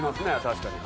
確かに。